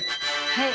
はい。